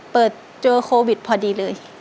เปิดเจอโควิดพอดีเลย